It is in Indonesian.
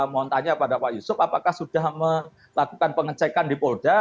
mau tanya pada pak yusuf apakah sudah melakukan pengecekan di polda